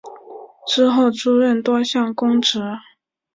之后出任多项公职。